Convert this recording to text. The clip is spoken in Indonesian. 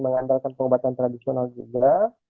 mengantarkan pengobatan tradisional juga